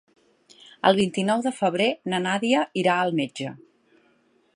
El vint-i-nou de febrer na Nàdia irà al metge.